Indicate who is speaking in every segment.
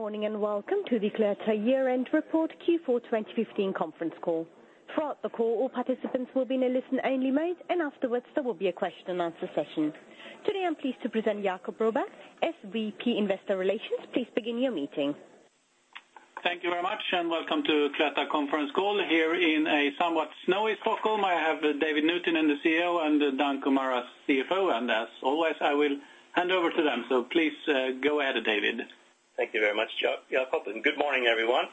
Speaker 1: Good morning and welcome to the Cloetta Year-End Report Q4 2015 conference call. Throughout the call, all participants will be in a listen-only mode, and afterwards there will be a question-and-answer session. Today I'm pleased to present Jacob Broberg, SVP Investor Relations. Please begin your meeting.
Speaker 2: Thank you very much and welcome to Cloetta conference call here in a somewhat snowy Stockholm. I have David Nuutinen, the CEO, and Danko Maras, CFO, and as always I will hand over to them. Please go ahead, David.
Speaker 3: Thank you very much, Jacob. Good morning, everyone.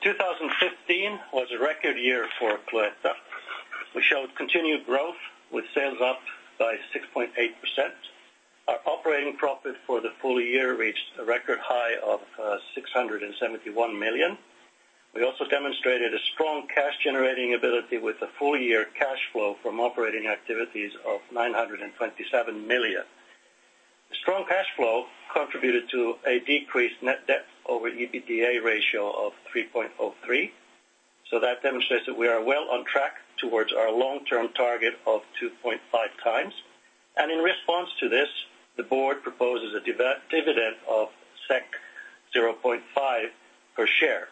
Speaker 3: 2015 was a record year for Cloetta. We showed continued growth with sales up by 6.8%. Our operating profit for the full year reached a record high of 671 million. We also demonstrated a strong cash-generating ability with a full-year cash flow from operating activities of 927 million. The strong cash flow contributed to a decreased net debt over EBITDA ratio of 3.03. So that demonstrates that we are well on track towards our long-term target of 2.5x. In response to this, the board proposes a dividend of 0.5 per share.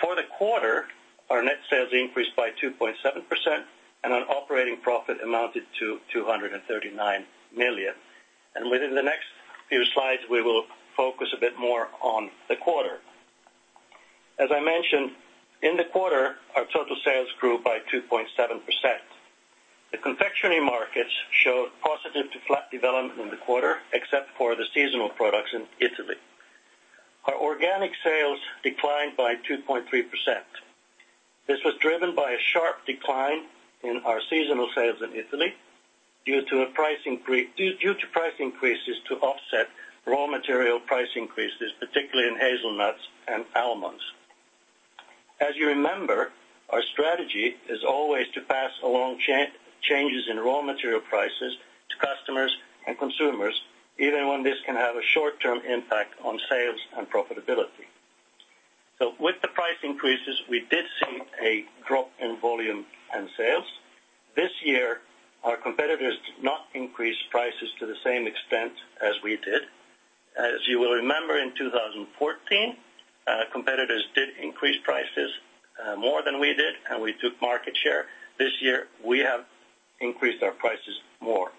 Speaker 3: For the quarter, our net sales increased by 2.7% and our operating profit amounted to 239 million. Within the next few slides we will focus a bit more on the quarter. As I mentioned, in the quarter our total sales grew by 2.7%. The confectionery markets showed positive to flat development in the quarter except for the seasonal products in Italy. Our organic sales declined by 2.3%. This was driven by a sharp decline in our seasonal sales in Italy due to a price increase due to price increases to offset raw material price increases, particularly in hazelnuts and almonds. As you remember, our strategy is always to pass along changes in raw material prices to customers and consumers, even when this can have a short-term impact on sales and profitability. So with the price increases we did see a drop in volume and sales. This year our competitors did not increase prices to the same extent as we did. As you will remember in 2014, competitors did increase prices more than we did and we took market share. This year we have increased our prices more.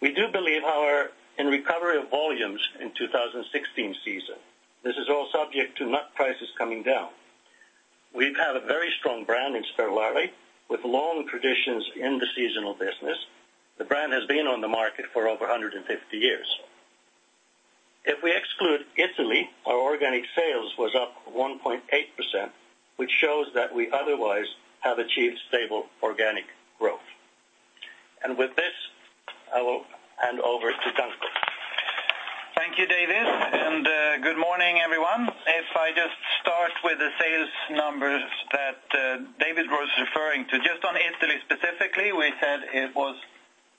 Speaker 3: We do believe however in recovery of volumes in 2016 season. This is all subject to nut prices coming down. We have a very strong brand in Sperlari with long traditions in the seasonal business. The brand has been on the market for over 150 years. If we exclude Italy, our organic sales was up 1.8% which shows that we otherwise have achieved stable organic growth. With this I will hand over to Danko.
Speaker 4: Thank you, David. And good morning, everyone. If I just start with the sales numbers that David was referring to. Just on Italy specifically we said it was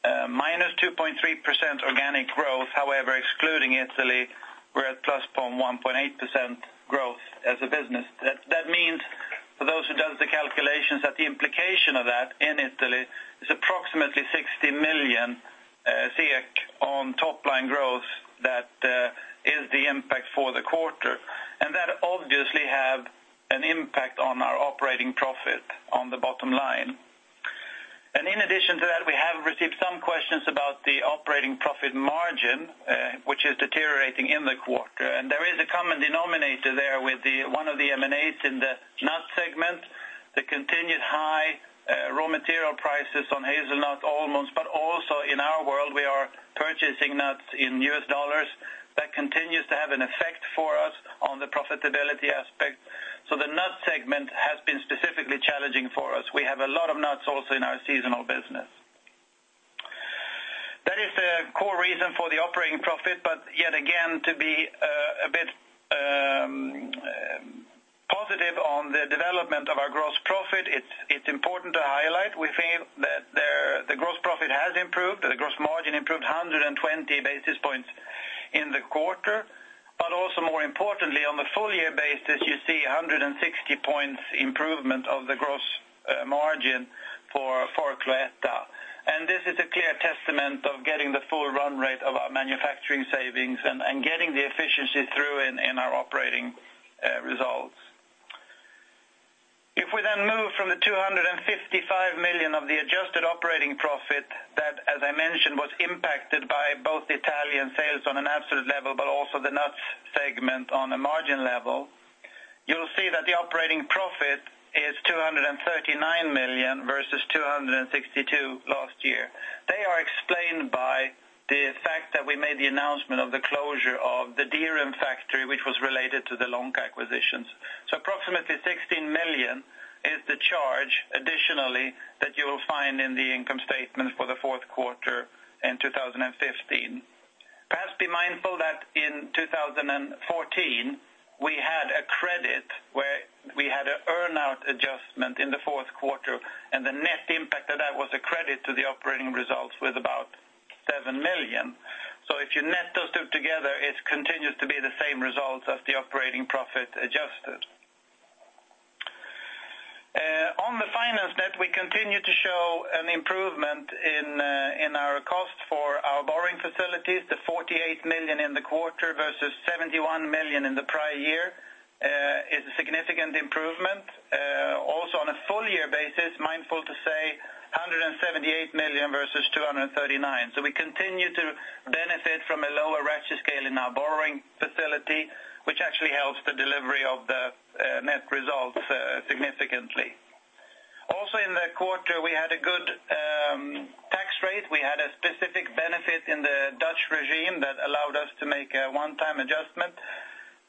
Speaker 4: -2.3% organic growth. However, excluding Italy we're at +0.1% growth as a business. That means for those who does the calculations that the implication of that in Italy is approximately 60 million on top-line growth that is the impact for the quarter. That obviously have an impact on our operating profit on the bottom line. In addition to that we have received some questions about the operating profit margin which is deteriorating in the quarter. There is a common denominator there with one of the M&As in the nut segment. The continued high raw material prices on hazelnuts, almonds, but also in our world we are purchasing nuts in US dollars. That continues to have an effect for us on the profitability aspect. So the nut segment has been specifically challenging for us. We have a lot of nuts also in our seasonal business. That is the core reason for the operating profit, but, yet again, to be a bit positive on the development of our gross profit, it's important to highlight. We think that the gross profit has improved. The gross margin improved 120 basis points in the quarter. But, also more importantly, on the full-year basis, you see 160 points improvement of the gross margin for Cloetta. And this is a clear testament of getting the full run rate of our manufacturing savings and getting the efficiency through in our operating results. If we then move from the 255 million of the adjusted operating profit that, as I mentioned, was impacted by both Italian sales on an absolute level but also the nuts segment on a margin level, you'll see that the operating profit is 239 million versus 262 million last year. They are explained by the fact that we made the announcement of the closure of the Dieren factory which was related to the Lonka acquisitions. So approximately 16 million is the charge additionally that you will find in the income statements for the fourth quarter in 2015. Perhaps be mindful that in 2014 we had a credit where we had a earnout adjustment in the fourth quarter and the net impact of that was a credit to the operating results with about 7 million. So if you net those two together it continues to be the same results as the operating profit adjusted. On the finance net we continue to show an improvement in our cost for our borrowing facilities. The 48 million in the quarter versus 71 million in the prior year is a significant improvement. Also on a full-year basis mindful to say 178 million versus 239 million. So we continue to benefit from a lower ratio scale in our borrowing facility which actually helps the delivery of the net results significantly. Also in the quarter we had a good tax rate. We had a specific benefit in the Dutch regime that allowed us to make a one-time adjustment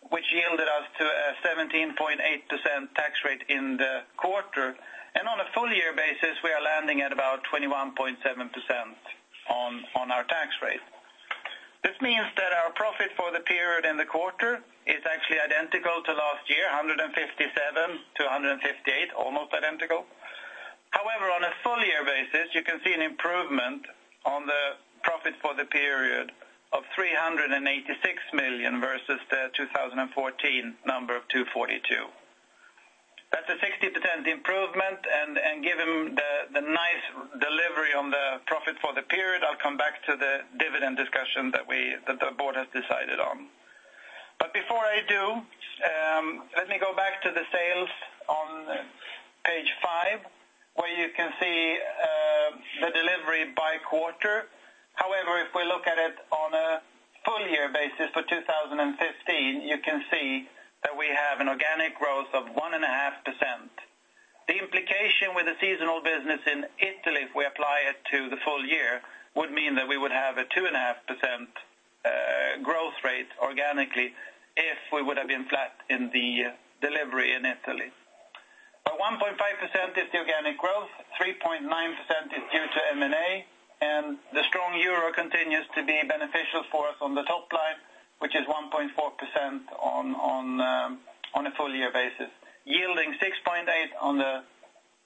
Speaker 4: which yielded us to a 17.8% tax rate in the quarter. And on a full-year basis we are landing at about 21.7% on our tax rate. This means that our profit for the period in the quarter is actually identical to last year, 157 million-158 million, almost identical. However, on a full-year basis you can see an improvement on the profit for the period of 386 million versus the 2014 number of 242 million. That's a 60% improvement and given the nice delivery on the profit for the period I'll come back to the dividend discussion that the board has decided on. But before I do let me go back to the sales on page five where you can see the delivery by quarter. However, if we look at it on a full-year basis for 2015 you can see that we have an organic growth of 1.5%. The implication with the seasonal business in Italy if we apply it to the full year would mean that we would have a 2.5% growth rate organically if we would have been flat in the delivery in Italy. But 1.5% is the organic growth, 3.9% is due to M&A, and the strong euro continues to be beneficial for us on the top line which is 1.4% on a full-year basis. Yielding 6.8% on the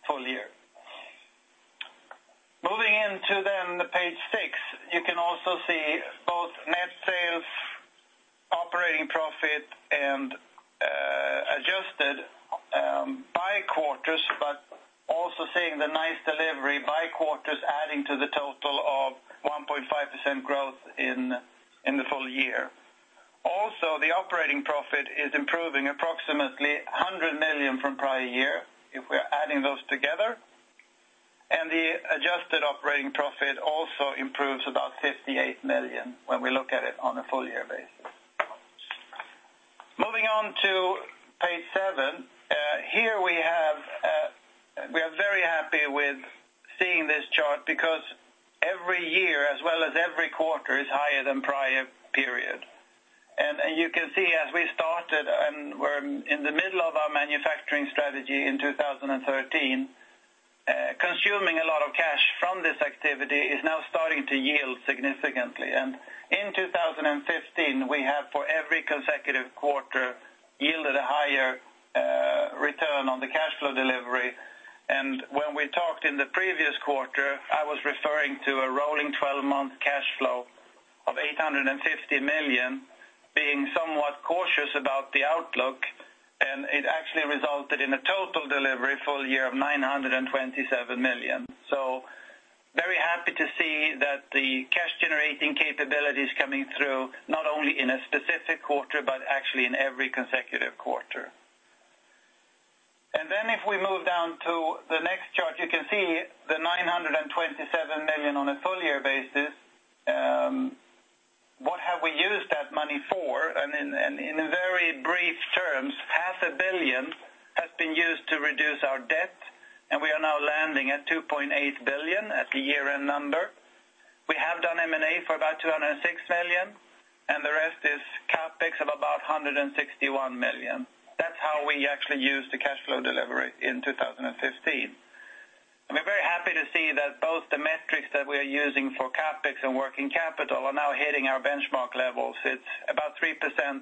Speaker 4: full year. Moving on to page 6 you can also see both net sales, operating profit, and adjusted by quarters but also seeing the nice delivery by quarters adding to the total of 1.5% growth in the full year. Also the operating profit is improving approximately 100 million from prior year if we're adding those together. And the adjusted operating profit also improves about 58 million when we look at it on a full-year basis. Moving on to page 7. Here we have we are very happy with seeing this chart because every year as well as every quarter is higher than prior period. And you can see as we started and we're in the middle of our manufacturing strategy in 2013, consuming a lot of cash from this activity is now starting to yield significantly. And in 2015 we have for every consecutive quarter yielded a higher return on the cash flow delivery. And when we talked in the previous quarter I was referring to a rolling 12-month cash flow of 850 million being somewhat cautious about the outlook and it actually resulted in a total delivery full year of 927 million. So very happy to see that the cash-generating capability is coming through not only in a specific quarter but actually in every consecutive quarter. Then if we move down to the next chart, you can see the 927 million on a full-year basis. What have we used that money for? In very brief terms, 500 million has been used to reduce our debt and we are now landing at 2.8 billion at the year-end number. We have done M&A for about 206 million and the rest is CapEx of about 161 million. That's how we actually used the cash flow delivery in 2015. We're very happy to see that both the metrics that we are using for CapEx and working capital are now hitting our benchmark levels. It's about 3%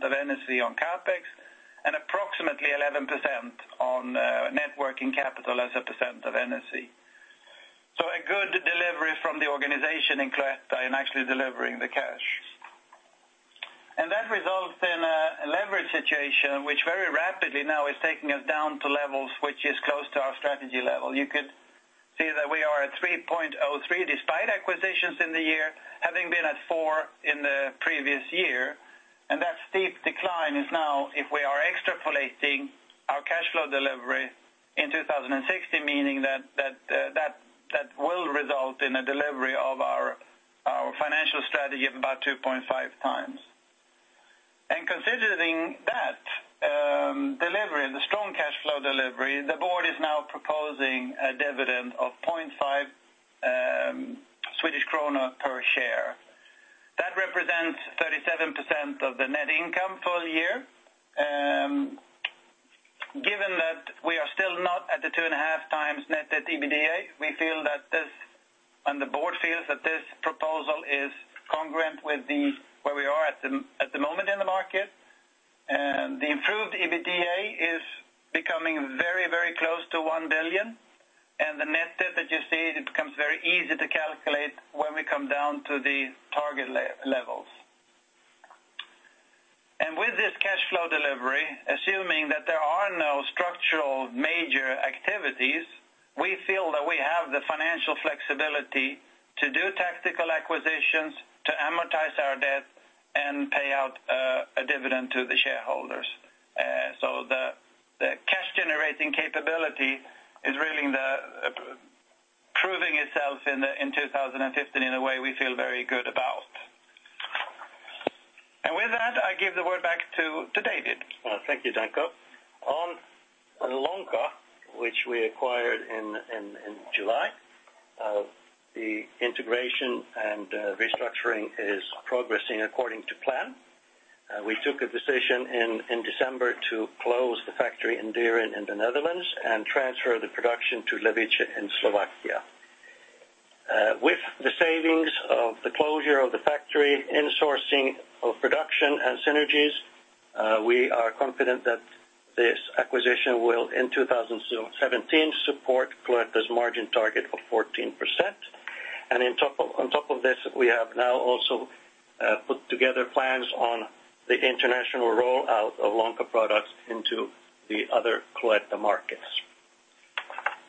Speaker 4: of NSV on CapEx and approximately 11% on net working capital as a percent of NSV. So a good delivery from the organization in Cloetta in actually delivering the cash. That results in a leverage situation which very rapidly now is taking us down to levels which is close to our strategy level. You could see that we are at 3.03 despite acquisitions in the year having been at 4 in the previous year. That steep decline is now if we are extrapolating our cash flow delivery in 2016 meaning that that will result in a delivery of our financial strategy of about 2.5 times. Considering that delivery, the strong cash flow delivery, the board is now proposing a dividend of 0.5 Swedish krona per share. That represents 37% of the net income full year. Given that we are still not at the 2.5x net at EBITDA we feel that this and the board feels that this proposal is congruent with where we are at the moment in the market. The improved EBITDA is becoming very, very close to 1 billion and the net debt that you see it becomes very easy to calculate when we come down to the target levels. With this cash flow delivery assuming that there are no structural major activities we feel that we have the financial flexibility to do tactical acquisitions, to amortize our debt, and pay out a dividend to the shareholders. The cash-generating capability is really proving itself in 2015 in a way we feel very good about. With that I give the word back to David.
Speaker 3: Thank you, Danko. On Lonka which we acquired in July the integration and restructuring is progressing according to plan. We took a decision in December to close the factory in Dieren in the Netherlands and transfer the production to Levice in Slovakia. With the savings of the closure of the factory, insourcing of production, and synergies we are confident that this acquisition will in 2017 support Cloetta's margin target of 14%. And on top of this we have now also put together plans on the international rollout of Lonka products into the other Cloetta markets.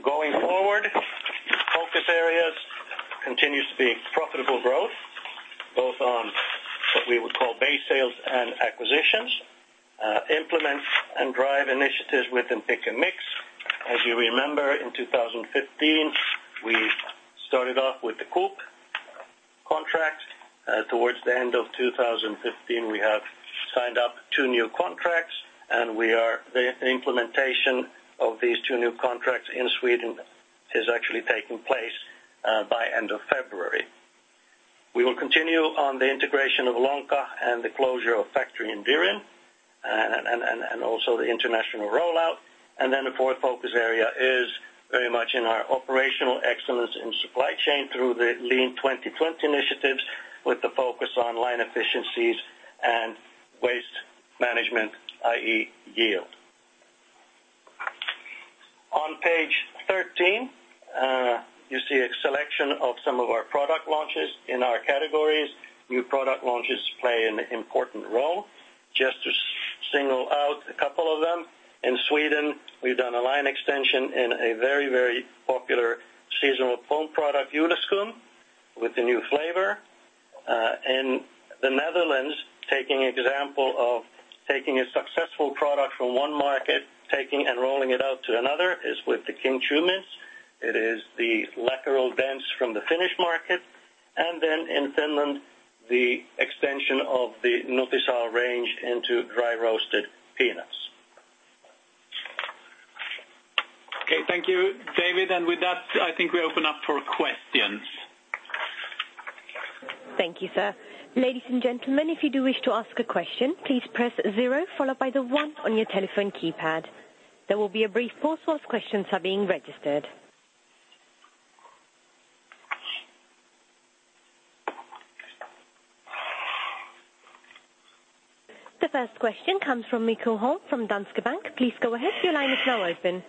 Speaker 3: Going forward, focus areas continues to be profitable growth both on what we would call base sales and acquisitions. Implement and drive initiatives within Pick & Mix. As you remember in 2015 we started off with the Coop contract. Towards the end of 2015 we have signed up two new contracts and we are the implementation of these two new contracts in Sweden is actually taking place by end of February. We will continue on the integration of Lonka and the closure of factory in Dieren and also the international rollout. And then the fourth focus area is very much in our operational excellence in supply chain through the Lean 2020 initiatives with the focus on line efficiencies and waste management i.e. yield. On page 13 you see a selection of some of our product launches in our categories. New product launches play an important role. Just to single out a couple of them, in Sweden we've done a line extension in a very, very popular seasonal foam product Juleskum with a new flavor. In the Netherlands taking example of taking a successful product from one market, taking and rolling it out to another is with the King. It is the Läkerol Dents from the Finnish market. And then in Finland the extension of the Nutisal range into dry-roasted peanuts.
Speaker 2: Okay. Thank you, David. And with that I think we open up for questions.
Speaker 1: Thank you, sir. Ladies and gentlemen, if you do wish to ask a question please press zero followed by the one on your telephone keypad. There will be a brief pause whilst questions are being registered. The first question comes from Mikael Holm from Danske Bank. Please go ahead. Your line is now open.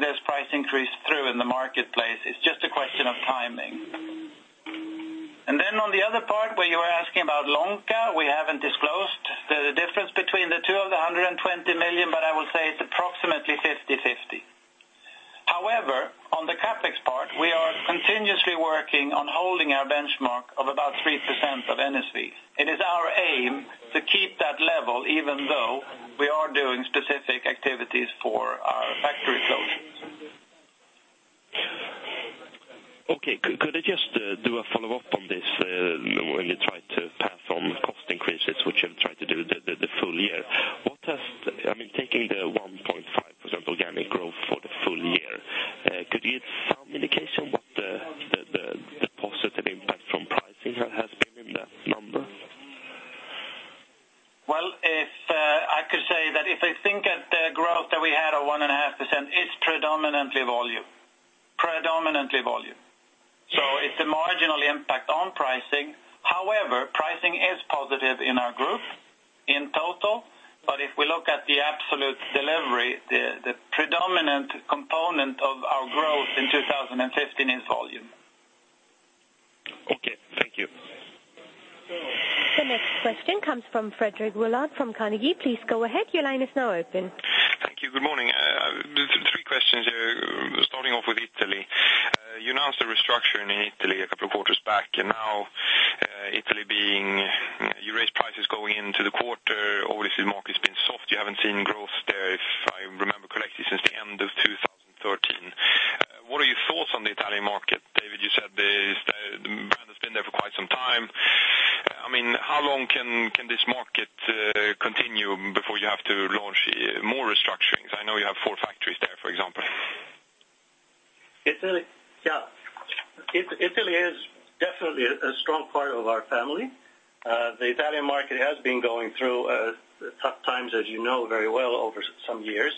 Speaker 4: this price increase through in the marketplace. It's just a question of timing. And then on the other part where you were asking about Lonka we haven't disclosed the difference between the two of the 120 million but I would say it's approximately 50/50. However, on the CapEx part we are continuously working on holding our benchmark of about 3% of NSV. It is our aim to keep that level even though we are doing specific activities for our factory closures.
Speaker 5: Okay. Could I just do a follow-up on this when you tried to pass on cost increases which you've tried to do the full year? What has, I mean, taking the 1.5% organic growth for the full year, could you give some indication what the positive impact from pricing has been in that number?
Speaker 4: Well, I could say that if I think at the growth that we had of 1.5% it's predominantly volume. Predominantly volume. So it's a marginal impact on pricing. However, pricing is positive in our group in total, but if we look at the absolute delivery the predominant component of our growth in 2015 is volume.
Speaker 5: Okay. Thank you.
Speaker 1: The next question comes from Fredrik Villard from Carnegie. Please go ahead. Your line is now open.
Speaker 6: Thank you. Good morning. Three questions here. Starting off with Italy. You announced a restructuring in Italy a couple of quarters back and now Italy being you raised prices going into the quarter. Obviously, the market's been soft. You haven't seen growth there if I remember correctly since the end of 2013. What are your thoughts on the Italian market? David, you said the brand has been there for quite some time. I mean how long can this market continue before you have to launch more restructurings? I know you have four factories there for example.
Speaker 3: Italy. Yeah. Italy is definitely a strong part of our family. The Italian market has been going through tough times as you know very well over some years.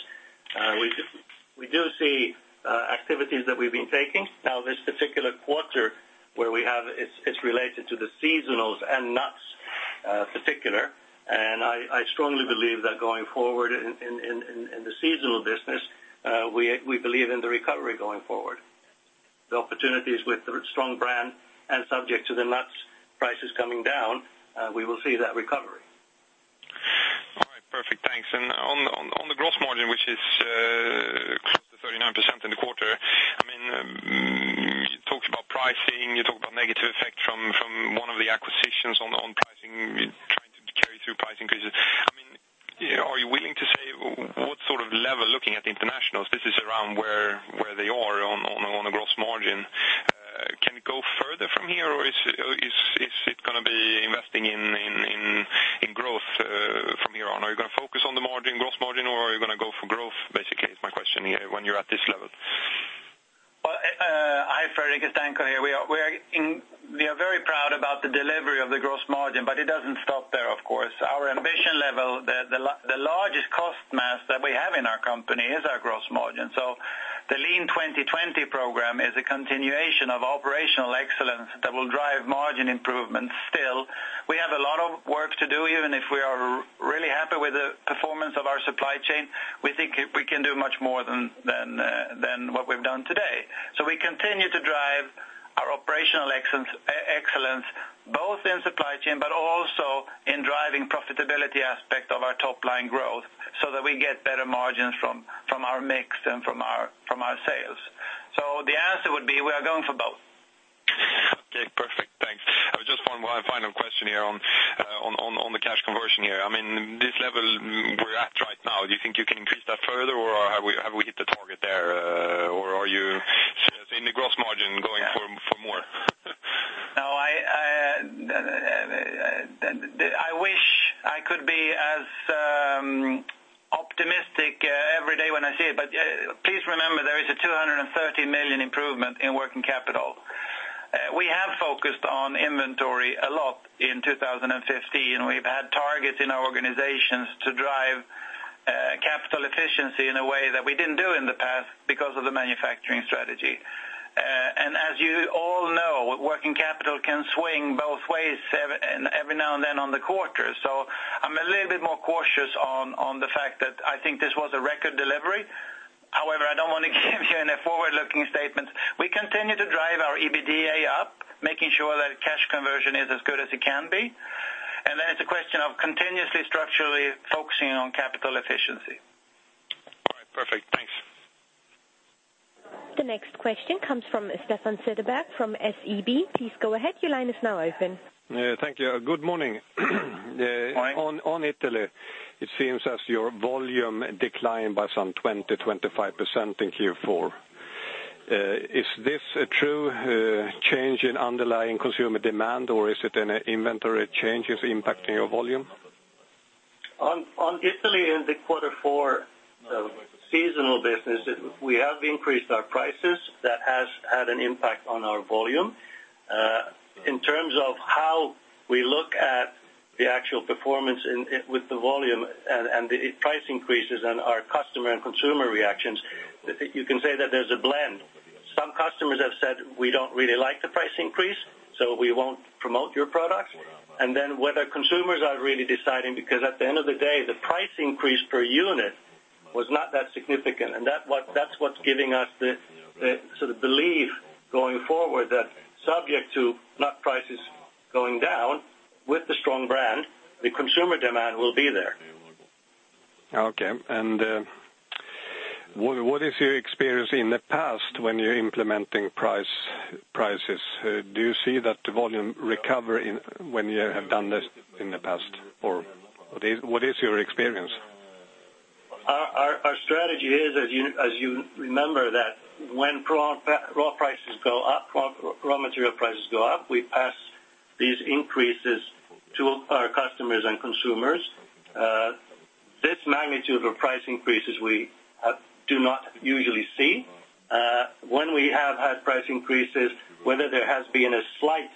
Speaker 3: We do see activities that we've been taking. Now this particular quarter where we have it's related to the seasonals and nuts particular and I strongly believe that going forward in the seasonal business we believe in the recovery going forward. The opportunities with the strong brand and subject to the nuts prices coming down we will see that recovery.
Speaker 6: All right. Perfect. Thanks. And on the gross margin, which is close to 39% in the quarter, I mean, you talked about pricing. You talked about negative effect from one of the acquisitions on pricing, trying to carry through price increases. I mean, are you willing to say what sort of level, looking at the internationals, this is around where they are on a gross margin? Can it go further from here, or is it going to be investing in growth from here on? Are you going to focus on the margin, gross margin, or are you going to go for growth? Basically, is my question here when you're at this level?
Speaker 4: Well, hi, Fredrik. It's Danko here. We are very proud about the delivery of the gross margin, but it doesn't stop there, of course. Our ambition level the largest cost mass that we have in our company is our gross margin. So the Lean 2020 program is a continuation of operational excellence that will drive margin improvements still. We have a lot of work to do even if we are really happy with the performance of our supply chain; we think we can do much more than what we've done today. So we continue to drive our operational excellence both in supply chain but also in driving profitability aspect of our top-line growth so that we get better margins from our mix and from our sales. So the answer would be we are going for both.
Speaker 6: Okay. Perfect. Thanks. I have just one final question here on the cash conversion here. I mean this level we're at right now do you think you can increase that further or have we hit the target there or are you seeing the gross margin going for more?
Speaker 4: No. I wish I could be as optimistic every day when I see it, but please remember there is a 230 million improvement in working capital. We have focused on inventory a lot in 2015. We've had targets in our organizations to drive capital efficiency in a way that we didn't do in the past because of the manufacturing strategy. And as you all know, working capital can swing both ways every now and then on the quarter, so I'm a little bit more cautious on the fact that I think this was a record delivery. However, I don't want to give you any forward-looking statements. We continue to drive our EBITDA up, making sure that cash conversion is as good as it can be, and then it's a question of continuously structurally focusing on capital efficiency.
Speaker 6: All right. Perfect. Thanks.
Speaker 1: The next question comes from Stefan Cederberg from SEB. Please go ahead. Your line is now open.
Speaker 7: Thank you. Good morning. On Italy it seems as your volume declined by some 20%-25% in Q4. Is this a true change in underlying consumer demand or is it an inventory change is impacting your volume?
Speaker 4: On Italy in the quarter four seasonal business we have increased our prices. That has had an impact on our volume. In terms of how we look at the actual performance with the volume and the price increases and our customer and consumer reactions you can say that there's a blend. Some customers have said we don't really like the price increase so we won't promote your products. Then whether consumers are really deciding because at the end of the day the price increase per unit was not that significant and that's what's giving us the sort of belief going forward that subject to nut prices going down with the strong brand the consumer demand will be there.
Speaker 7: Okay. What is your experience in the past when you're implementing prices? Do you see that the volume recover when you have done this in the past or what is your experience?
Speaker 4: Our strategy is, as you remember, that when raw prices go up, raw material prices go up, we pass these increases to our customers and consumers. This magnitude of price increases we do not usually see. When we have had price increases, whether there has been a slight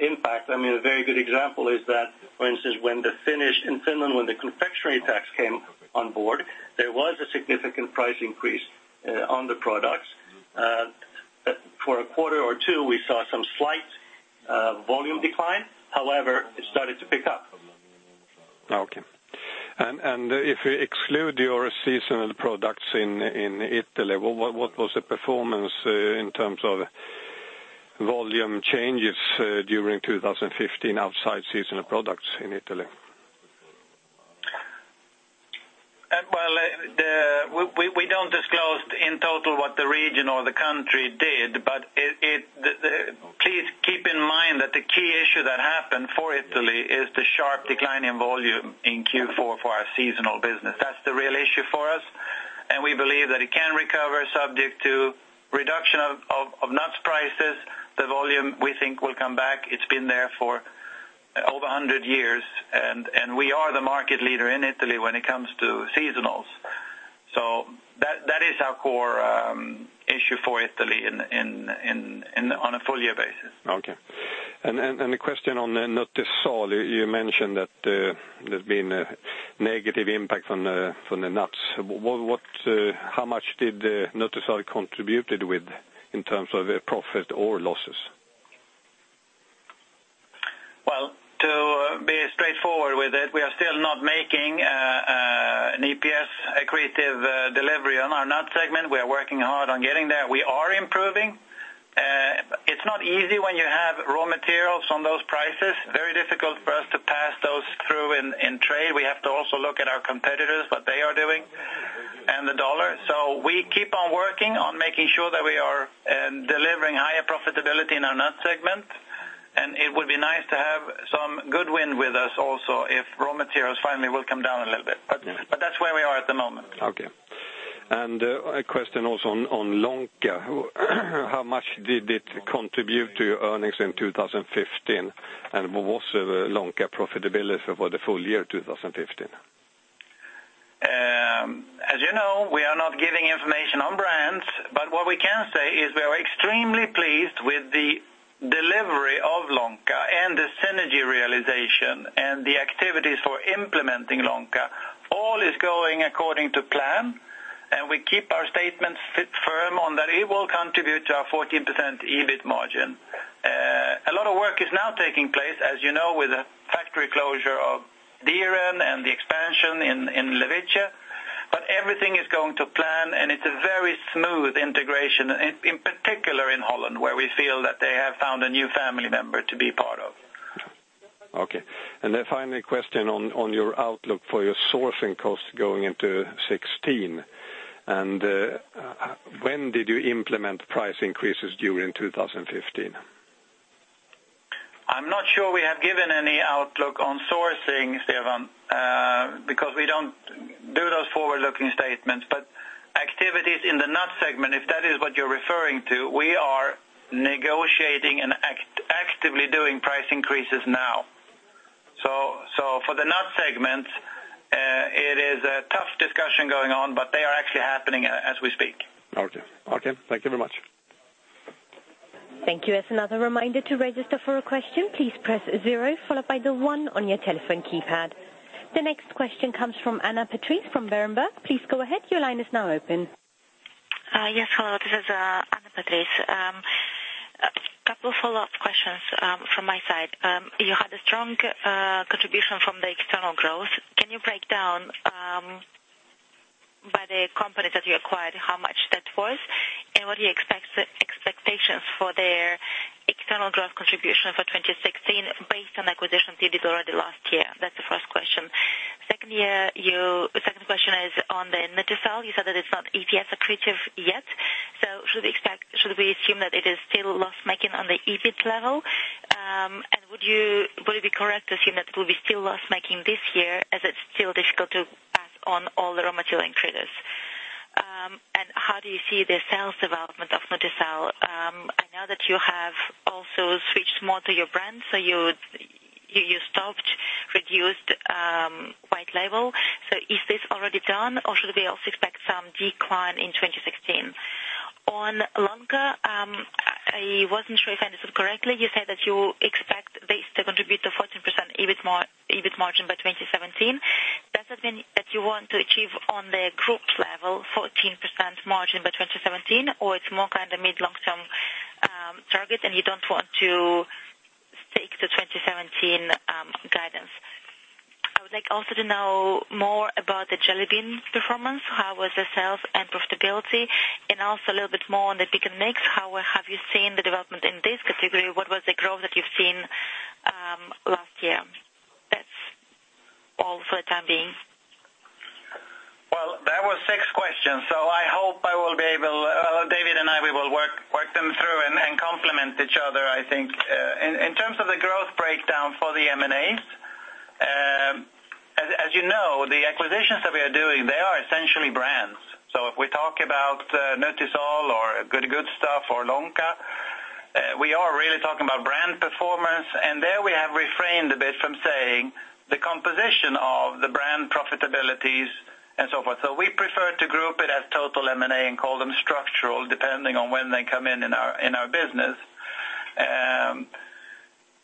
Speaker 4: impact—I mean, a very good example is that, for instance, when the Finnish in Finland, when the confectionery tax came on board, there was a significant price increase on the products. For a quarter or two we saw some slight volume decline. However, it started to pick up.
Speaker 7: Okay. If we exclude your seasonal products in Italy, what was the performance in terms of volume changes during 2015 outside seasonal products in Italy?
Speaker 4: Well, we don't disclose in total what the region or the country did but please keep in mind that the key issue that happened for Italy is the sharp decline in volume in Q4 for our seasonal business. That's the real issue for us and we believe that it can recover subject to reduction of nuts prices. The volume we think will come back. It's been there for over 100 years and we are the market leader in Italy when it comes to seasonals. So that is our core issue for Italy on a full year basis.
Speaker 7: Okay. And a question on the Nutisal. You mentioned that there's been a negative impact from the nuts. How much did Nutisal contributed with in terms of profit or losses?
Speaker 4: Well, to be straightforward with it, we are still not making an EPS accretive delivery on our nut segment. We are working hard on getting there. We are improving. It's not easy when you have raw materials on those prices. Very difficult for us to pass those through in trade. We have to also look at our competitors, what they are doing, and the dollar. So we keep on working on making sure that we are delivering higher profitability in our nut segment and it would be nice to have some good wind with us also if raw materials finally will come down a little bit. But that's where we are at the moment.
Speaker 7: Okay. And a question also on Lonka. How much did it contribute to your earnings in 2015 and what was Lonka profitability for the full year 2015?
Speaker 4: As you know, we are not giving information on brands, but what we can say is we are extremely pleased with the delivery of Lonka and the synergy realization and the activities for implementing Lonka. All is going according to plan and we keep our statements firm on that it will contribute to our 14% EBIT margin. A lot of work is now taking place, as you know, with the factory closure of Dieren and the expansion in Levice, but everything is going to plan and it's a very smooth integration in particular in Holland where we feel that they have found a new family member to be part of.
Speaker 7: Okay. And then finally a question on your outlook for your sourcing costs going into 2016 and when did you implement price increases during 2015?
Speaker 4: I'm not sure we have given any outlook on sourcing, Stefan, because we don't do those forward-looking statements, but activities in the nut segment, if that is what you're referring to, we are negotiating and actively doing price increases now. So for the nut segment, it is a tough discussion going on, but they are actually happening as we speak.
Speaker 7: Okay. Okay. Thank you very much.
Speaker 1: Thank you. As another reminder to register for a question, please press zero followed by the one on your telephone keypad. The next question comes from Anna Patrice from Berenberg. Please go ahead. Your line is now open.
Speaker 8: Yes. Hello. This is Anna Patrice. A couple of follow-up questions from my side. You had a strong contribution from the external growth. Can you break down by the companies that you acquired how much that was and what your expectations for their external growth contribution for 2016 based on acquisitions you did already last year? That's the first question. Second question is on the Nutisal. You said that it's not EPS accretive yet so should we assume that it is still loss-making on the EBIT level and would it be correct to assume that it will be still loss-making this year as it's still difficult to pass on all the raw material increases? And how do you see the sales development of Nutisal? I know that you have also switched more to your brand so you stopped reduced white label so is this already done or should we also expect some decline in 2016? On Lonka I wasn't sure if I understood correctly. You said that you expect they still contribute to 14% EBIT margin by 2017. Does that mean that you want to achieve on the group level 14% margin by 2017 or it's more kind of mid-long-term target and you don't want to stick to 2017 guidance? I would like also to know more about the Jelly Bean performance. How was the sales and profitability and also a little bit more on the Pick & Mix. How have you seen the development in this category? What was the growth that you've seen last year? That's all for the time being.
Speaker 4: Well, there were six questions, so I hope I will be able. David and I, we will work them through and complement each other, I think. In terms of the growth breakdown for the M&As, as you know, the acquisitions that we are doing, they are essentially brands. So if we talk about Nutisal or Goody Good Stuff or Lonka, we are really talking about brand performance, and there we have refrained a bit from saying the composition of the brand profitabilities and so forth. So we prefer to group it as total M&A and call them structural depending on when they come in in our business.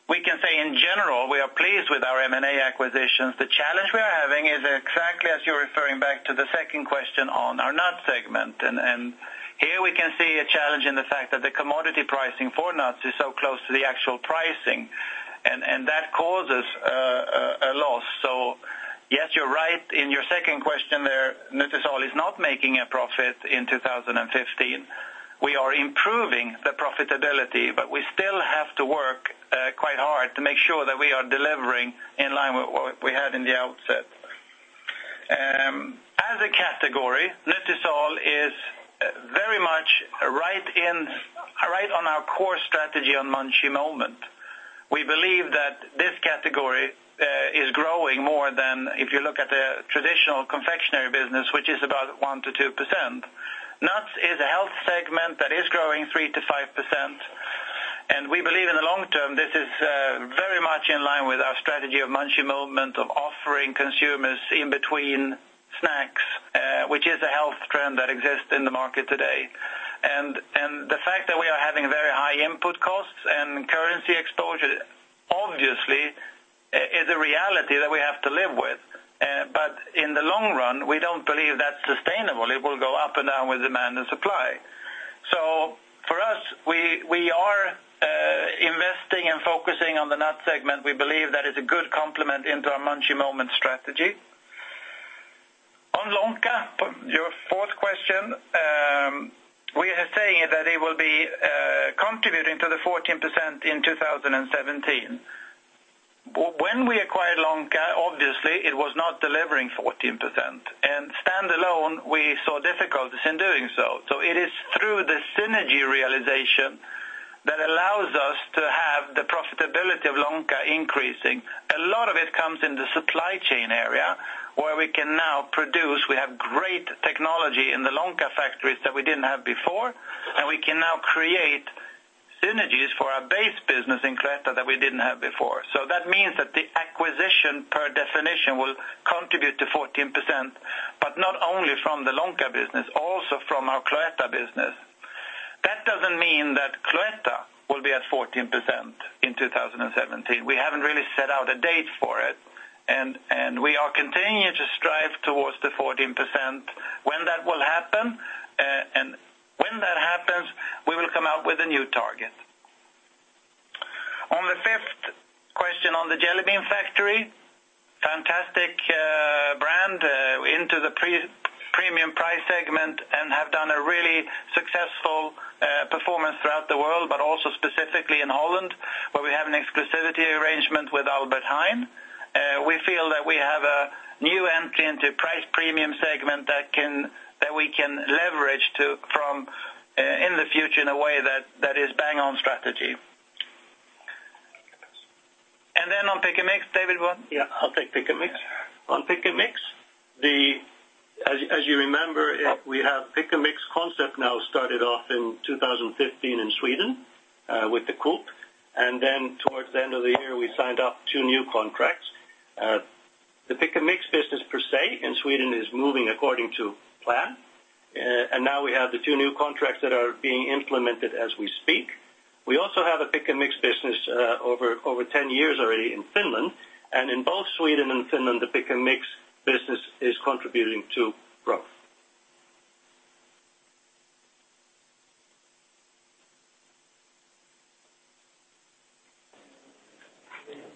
Speaker 4: We can say in general we are pleased with our M&A acquisitions. The challenge we are having is exactly as you're referring back to the second question on our nut segment and here we can see a challenge in the fact that the commodity pricing for nuts is so close to the actual pricing and that causes a loss. So yes, you're right in your second question there. Nutisal is not making a profit in 2015. We are improving the profitability but we still have to work quite hard to make sure that we are delivering in line with what we had in the outset. As a category Nutisal is very much right on our core strategy on munchy moment. We believe that this category is growing more than if you look at the traditional confectionery business which is about 1%-2%. Nuts is a health segment that is growing 3%-5% and we believe in the long term this is very much in line with our strategy of munchy moment of offering consumers in between snacks which is a health trend that exists in the market today. The fact that we are having very high input costs and currency exposure obviously is a reality that we have to live with but in the long run we don't believe that's sustainable. It will go up and down with demand and supply. For us we are investing and focusing on the nut segment. We believe that is a good complement into our munchy moment strategy. On Lonka your fourth question we are saying that it will be contributing to the 14% in 2017. When we acquired Lonka obviously it was not delivering 14% and standalone we saw difficulties in doing so. So it is through the synergy realization that allows us to have the profitability of Lonka increasing. A lot of it comes in the supply chain area where we can now produce, we have great technology in the Lonka factories that we didn't have before and we can now create synergies for our base business in Cloetta that we didn't have before. So that means that the acquisition per definition will contribute to 14% but not only from the Lonka business also from our Cloetta business. That doesn't mean that Cloetta will be at 14% in 2017. We haven't really set out a date for it and we are continuing to strive towards the 14%. When that will happen and when that happens we will come out with a new target. On the fifth question on the Jelly Bean Factory, fantastic brand into the premium price segment and have done a really successful performance throughout the world but also specifically in Holland where we have an exclusivity arrangement with Albert Heijn. We feel that we have a new entry into price premium segment that we can leverage from in the future in a way that is bang-on strategy. And then on Pick & Mix, David, what?
Speaker 3: Yeah. I'll take Pick & Mix. On Pick & Mix as you remember we have Pick & Mix concept now started off in 2015 in Sweden with the Coop and then towards the end of the year we signed up two new contracts. The Pick & Mix business per se in Sweden is moving according to plan and now we have the two new contracts that are being implemented as we speak. We also have a Pick & Mix business over 10 years already in Finland and in both Sweden and Finland the Pick & Mix business is contributing to growth.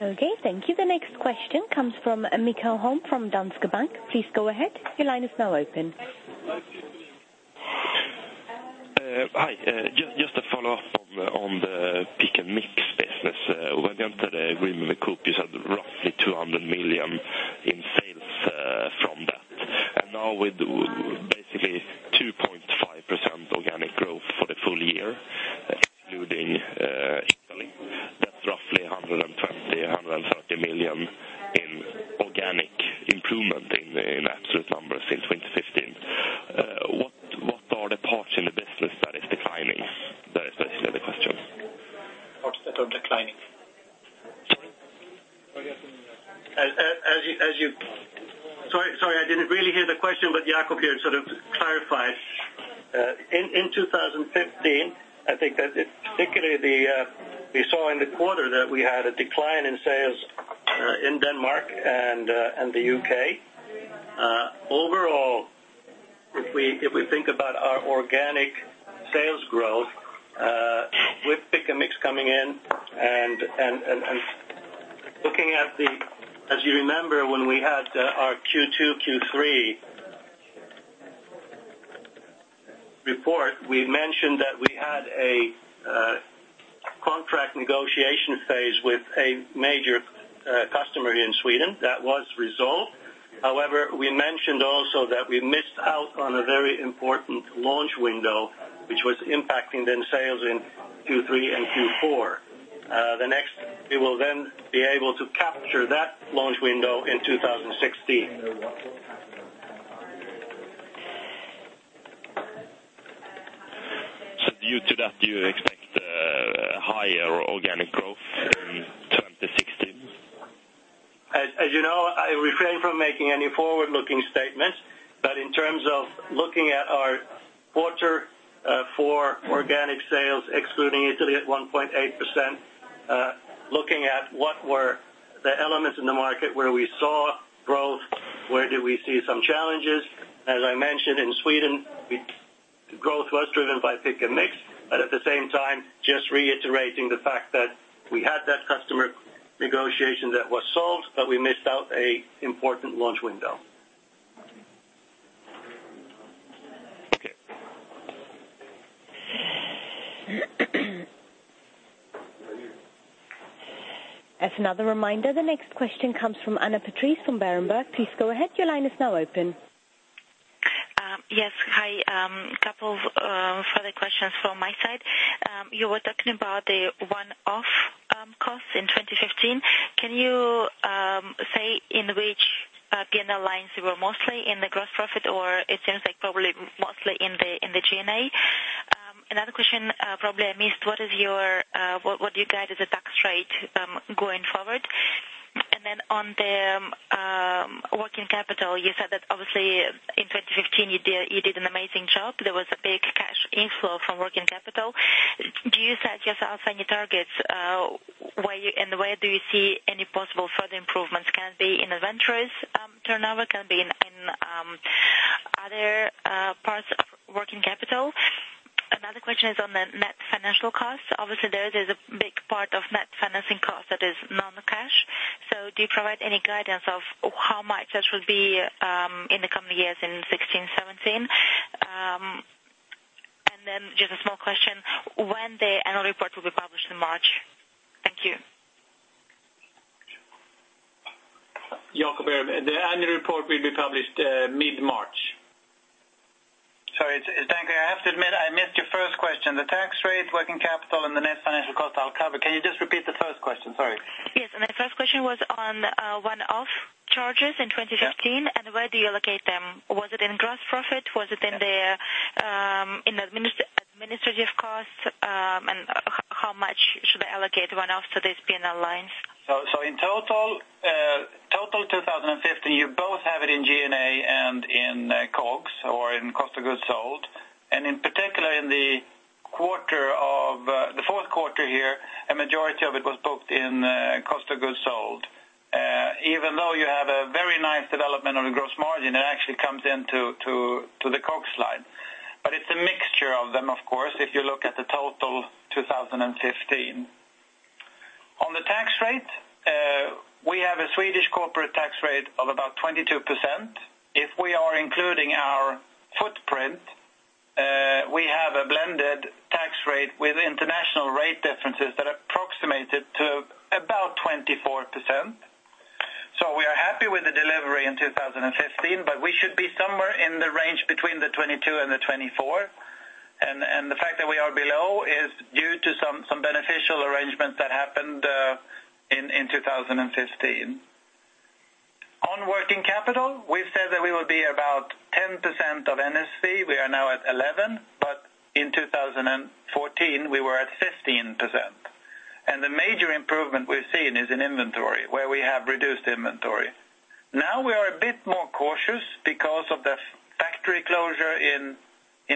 Speaker 1: Okay. Thank you. The next question comes from Mikael Holm from Danske Bank. Please go ahead. Your line is now open.
Speaker 5: Hi. Just a follow-up on the Pick & Mix business. When we entered agreement with Coop you said roughly 200 million in sales from that and now we do basically 2.5% organic growth for the full year including Italy. That's roughly SEK 120-130 million in organic improvement in absolute numbers in 2015. What are the parts in the business that is declining? That is basically the question.
Speaker 2: Parts that are declining?
Speaker 5: Sorry?
Speaker 3: As you, sorry. I didn't really hear the question but Jacob here sort of clarified. In 2015 I think that particularly we saw in the quarter that we had a decline in sales in Denmark and the UK. Overall if we think about our organic sales growth with Pick & Mix coming in and looking at the, as you remember when we had our Q2, Q3 report we mentioned that we had a contract negotiation phase with a major customer here in Sweden that was resolved. However, we mentioned also that we missed out on a very important launch window which was impacting then sales in Q3 and Q4. We will then be able to capture that launch window in 2016.
Speaker 5: Due to that, do you expect higher organic growth in 2016?
Speaker 3: As you know, I refrain from making any forward-looking statements, but in terms of looking at our quarter four organic sales excluding Italy at 1.8%, looking at what were the elements in the market where we saw growth, where did we see some challenges, as I mentioned in Sweden growth was driven by Pick & Mix, but at the same time just reiterating the fact that we had that customer negotiation that was solved but we missed out a important launch window.
Speaker 5: Okay.
Speaker 1: As another reminder the next question comes from Anna Patrice from Berenberg. Please go ahead. Your line is now open.
Speaker 8: Yes. Hi. A couple of further questions from my side. You were talking about the one-off costs in 2015. Can you say in which P&L lines they were mostly in the gross profit, or it seems like probably mostly in the G&A? Another question, probably I missed. What do you guide as a tax rate going forward? And then on the working capital you said that obviously in 2015 you did an amazing job. There was a big cash inflow from working capital. Do you set yourself any targets and where do you see any possible further improvements? Can it be in inventories turnover? Can it be in other parts of working capital? Another question is on the net financial costs. Obviously there is a big part of net financing costs that is non-cash so do you provide any guidance of how much that should be in the coming years in 2016, 2017? And then just a small question. When the annual report will be published in March? Thank you.
Speaker 2: Jacob here. The annual report will be published mid-March.
Speaker 4: Sorry. It's Danko. I have to admit I missed your first question. The tax rate, working capital, and the net financial costs I'll cover. Can you just repeat the first question? Sorry.
Speaker 8: Yes. The first question was on one-off charges in 2015 and where do you allocate them? Was it in gross profit? Was it in the administrative costs and how much should I allocate one-off to these P&L lines?
Speaker 4: So in total 2015 you both have it in G&A and in COGS or in cost of goods sold and in particular in the fourth quarter here a majority of it was booked in cost of goods sold even though you have a very nice development of the gross margin it actually comes into the COGS line but it's a mixture of them of course if you look at the total 2015. On the tax rate we have a Swedish corporate tax rate of about 22%. If we are including our footprint we have a blended tax rate with international rate differences that are approximated to about 24%. So we are happy with the delivery in 2015 but we should be somewhere in the range between 22% and 24% and the fact that we are below is due to some beneficial arrangements that happened in 2015. On working capital we've said that we will be about 10% of NSV. We are now at 11% but in 2014 we were at 15% and the major improvement we've seen is in inventory where we have reduced inventory. Now we are a bit more cautious because of the factory closure in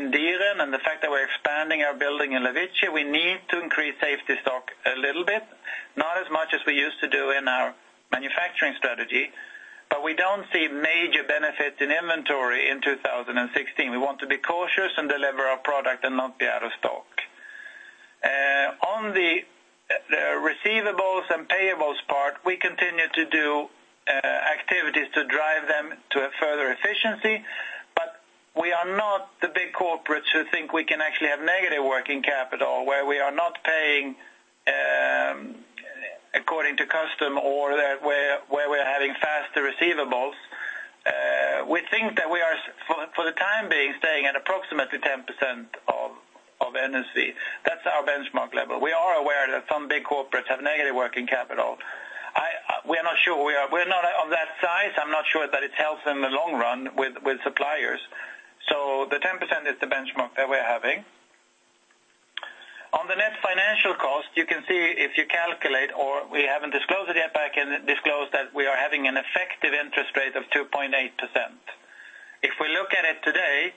Speaker 4: Dieren and the fact that we're expanding our building in Levice we need to increase safety stock a little bit not as much as we used to do in our manufacturing strategy but we don't see major benefits in inventory in 2016. We want to be cautious and deliver our product and not be out of stock. On the receivables and payables part, we continue to do activities to drive them to a further efficiency, but we are not the big corporates who think we can actually have negative working capital where we are not paying according to custom or where we're having faster receivables. We think that we are for the time being staying at approximately 10% of NSV. That's our benchmark level. We are aware that some big corporates have negative working capital. We are not sure we are not of that size. I'm not sure that it helps in the long run with suppliers, so the 10% is the benchmark that we're having. On the net financial costs, you can see if you calculate, or we haven't disclosed it yet, but I can disclose that we are having an effective interest rate of 2.8%. If we look at it today,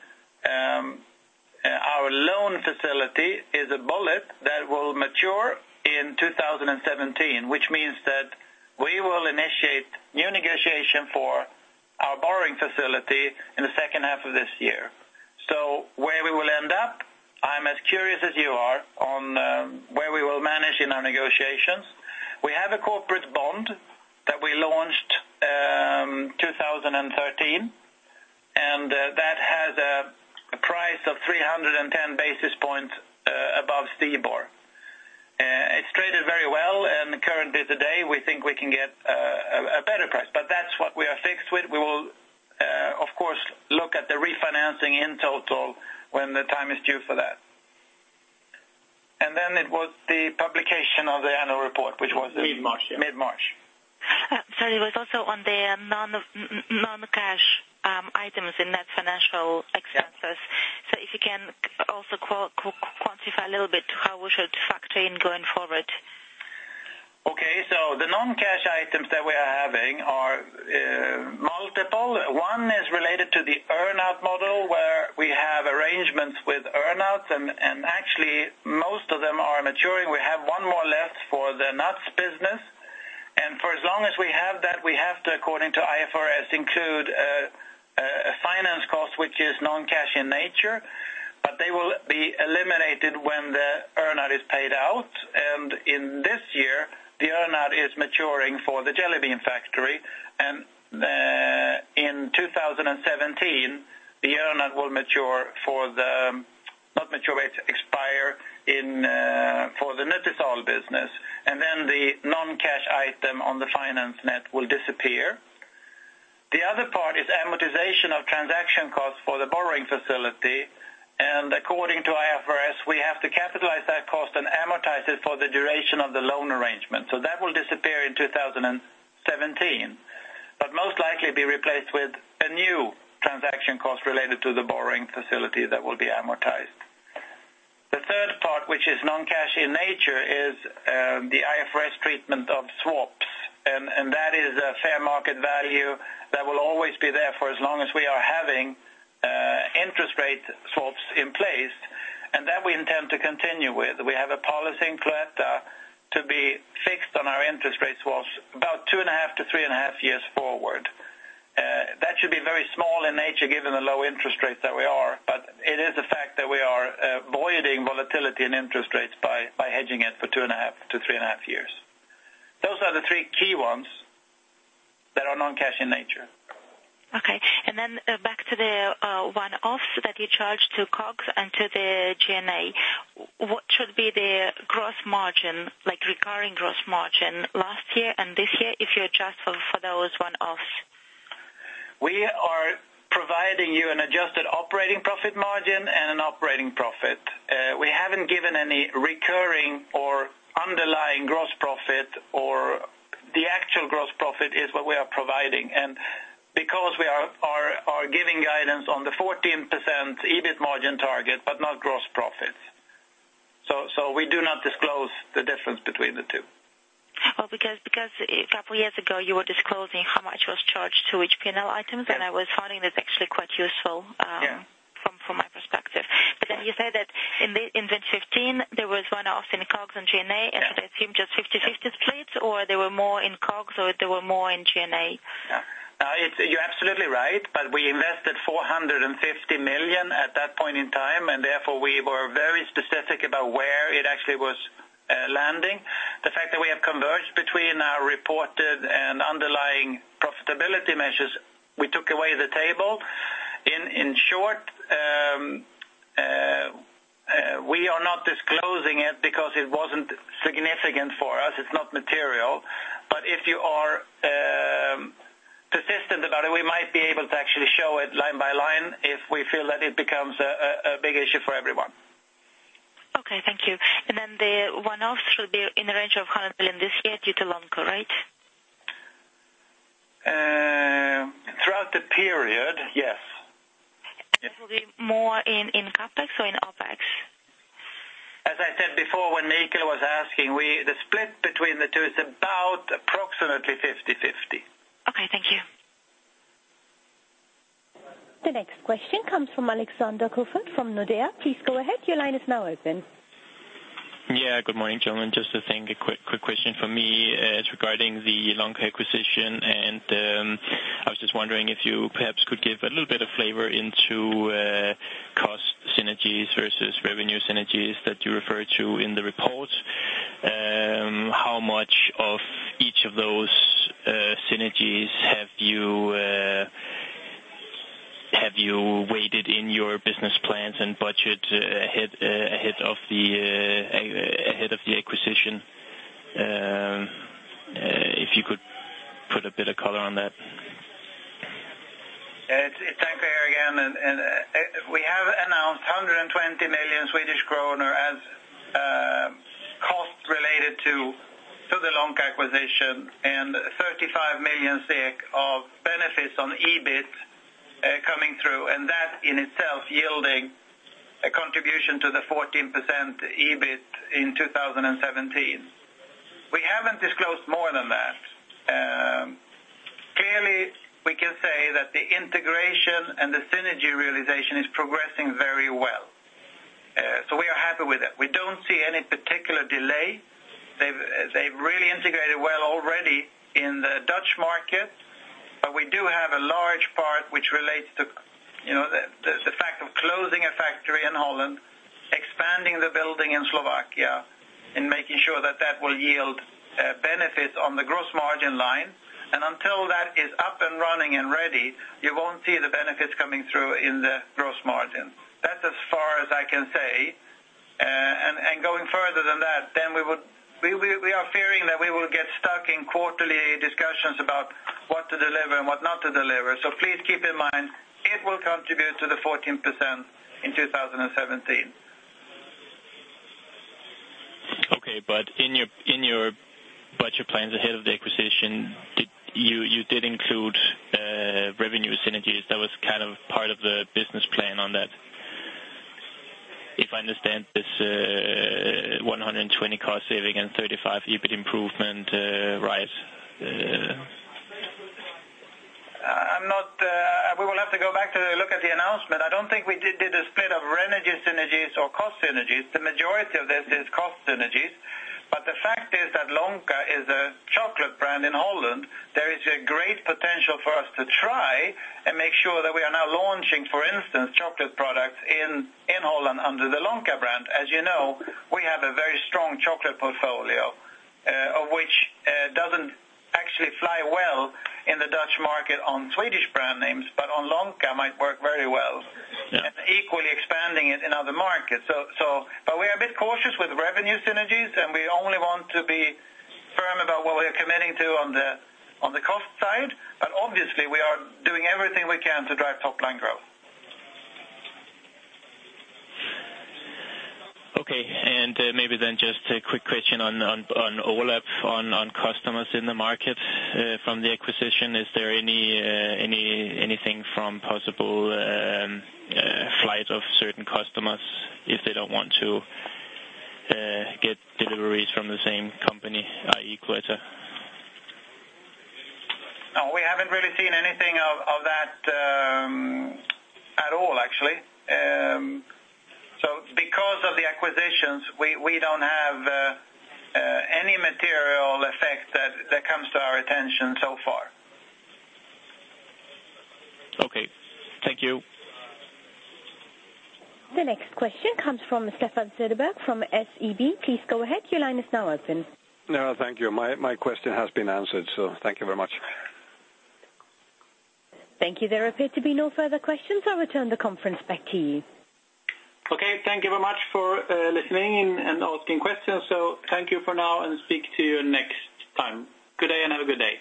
Speaker 4: our loan facility is a bullet that will mature in 2017, which means that we will initiate new negotiations for our borrowing facility in the second half of this year. So where we will end up, I'm as curious as you are on where we will manage in our negotiations. We have a corporate bond that we launched in 2013 and that has a price of 310 basis points above STIBOR. It's traded very well and currently today we think we can get a better price, but that's what we are fixed with. We will of course look at the refinancing in total when the time is due for that. And then it was the publication of the annual report which was.
Speaker 2: Mid-March.
Speaker 4: Mid-March.
Speaker 8: Sorry. It was also on the non-cash items in net financial expenses so if you can also quantify a little bit how we should factor in going forward?
Speaker 4: Okay. So the non-cash items that we are having are multiple. One is related to the earnout model where we have arrangements with earnouts and actually most of them are maturing. We have 1 more left for the nuts business and for as long as we have that we have to according to IFRS include a finance cost which is non-cash in nature but they will be eliminated when the earnout is paid out and in this year the earnout is maturing for the Jelly Bean Factory and in 2017 the earnout will mature for the Nutisal business and then the non-cash item on the finance net will disappear. The other part is amortization of transaction costs for the borrowing facility and according to IFRS we have to capitalize that cost and amortize it for the duration of the loan arrangement so that will disappear in 2017 but most likely be replaced with a new transaction cost related to the borrowing facility that will be amortized. The third part which is non-cash in nature is the IFRS treatment of swaps and that is a fair market value that will always be there for as long as we are having interest rate swaps in place and that we intend to continue with. We have a policy in Cloetta to be fixed on our interest rate swaps about 2.5-3.5 years forward. That should be very small in nature given the low interest rates that we are, but it is a fact that we are avoiding volatility in interest rates by hedging it for 2.5-3.5 years. Those are the three key ones that are non-cash in nature.
Speaker 8: Okay. And then back to the one-offs that you charge to COGS and to the G&A. What should be the gross margin recurring gross margin last year and this year if you adjust for those one-offs?
Speaker 4: We are providing you an adjusted operating profit margin and an operating profit. We haven't given any recurring or underlying gross profit or the actual gross profit is what we are providing and because we are giving guidance on the 14% EBIT margin target but not gross profits so we do not disclose the difference between the two.
Speaker 8: Well, because a couple of years ago you were disclosing how much was charged to each P&L item and I was finding this actually quite useful from my perspective. But then you said that in 2015 there was one-offs in COGS and G&A and so they assume just 50/50 splits or they were more in COGS or they were more in G&A?
Speaker 4: You're absolutely right, but we invested 450 million at that point in time and therefore we were very specific about where it actually was landing. The fact that we have converged between our reported and underlying profitability measures, we took away the table. In short, we are not disclosing it because it wasn't significant for us. It's not material, but if you are persistent about it we might be able to actually show it line by line if we feel that it becomes a big issue for everyone.
Speaker 8: Okay. Thank you. And then the one-offs should be in the range of 100 million this year due to Lonka, right?
Speaker 4: Throughout the period yes.
Speaker 8: It will be more in CapEx or in OpEx?
Speaker 4: As I said before when Mikael was asking the split between the two is about approximately 50/50.
Speaker 8: Okay. Thank you.
Speaker 1: The next question comes from Alexander Kopp from Nordea. Please go ahead. Your line is now open.
Speaker 9: Yeah. Good morning gentlemen. Just a thing. A quick question for me is regarding the Lonka acquisition and I was just wondering if you perhaps could give a little bit of flavor into cost synergies versus revenue synergies that you referred to in the report. How much of each of those synergies have you weighted in your business plans and budget ahead of the acquisition if you could put a bit of color on that?
Speaker 4: It's Danko here again and we have announced 120 million Swedish kronor as cost related to the Lonka acquisition and 35 million SEK of benefits on EBIT coming through and that in itself yielding a contribution to the 14% EBIT in 2017. We haven't disclosed more than that. Clearly we can say that the integration and the synergy realization is progressing very well so we are happy with it. We don't see any particular delay. They've really integrated well already in the Dutch market but we do have a large part which relates to the fact of closing a factory in Holland, expanding the building in Slovakia, and making sure that that will yield benefits on the gross margin line and until that is up and running and ready you won't see the benefits coming through in the gross margin. That's as far as I can say, and going further than that, then we are fearing that we will get stuck in quarterly discussions about what to deliver and what not to deliver, so please keep in mind it will contribute to the 14% in 2017.
Speaker 9: Okay. But in your budget plans ahead of the acquisition you did include revenue synergies. That was kind of part of the business plan on that if I understand this 120 cost saving and 35 EBIT improvement right?
Speaker 4: We will have to go back to look at the announcement. I don't think we did a split of revenue synergies or cost synergies. The majority of this is cost synergies but the fact is that Lonka is a chocolate brand in Holland. There is a great potential for us to try and make sure that we are now launching for instance chocolate products in Holland under the Lonka brand. As you know we have a very strong chocolate portfolio of which doesn't actually fly well in the Dutch market on Swedish brand names but on Lonka might work very well and equally expanding it in other markets but we are a bit cautious with revenue synergies and we only want to be firm about what we are committing to on the cost side but obviously we are doing everything we can to drive top line growth.
Speaker 9: Okay. Maybe then just a quick question on overlap on customers in the market from the acquisition. Is there anything from possible flight of certain customers if they don't want to get deliveries from the same company, i.e., Cloetta?
Speaker 4: We haven't really seen anything of that at all, actually, so because of the acquisitions, we don't have any material effect that comes to our attention so far.
Speaker 9: Okay. Thank you.
Speaker 1: The next question comes from Stefan Cederberg from SEB. Please go ahead. Your line is now open.
Speaker 7: No thank you. My question has been answered so thank you very much.
Speaker 1: Thank you. There appear to be no further questions so I return the conference back to you.
Speaker 4: Okay. Thank you very much for listening and asking questions, so thank you for now and speak to you next time. Good day and have a good day.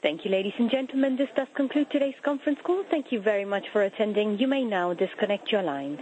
Speaker 1: Thank you ladies and gentlemen. This does conclude today's conference call. Thank you very much for attending. You may now disconnect your line.